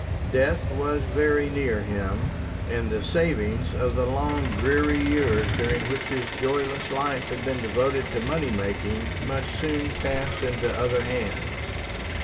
Death was very near him, and the savings of the long dreary years during which his joyless life had been devoted to money making must soon pass into other hands.